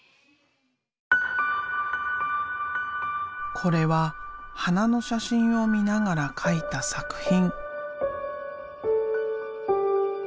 これは花の写真を見ながら描いた作品。